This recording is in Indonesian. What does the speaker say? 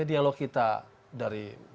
dialog kita dari